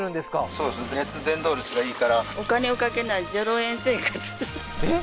そうです熱伝導率がいいからお金をかけない０円生活えっ？